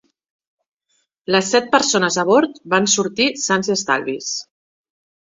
Les set persones a bord van sortir sans i estalvis.